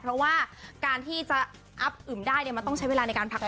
เพราะว่าการที่จะอับอึมได้เนี่ยมันต้องใช้เวลาในการพัก